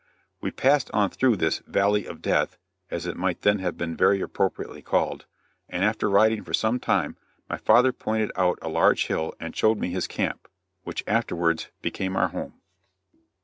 We passed on through this "Valley of Death," as it might then have been very appropriately called, and after riding for some time, my father pointed out a large hill and showed me his camp, which afterwards became our home.